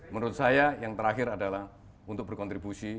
menurut saya yang terakhir adalah untuk berkontribusi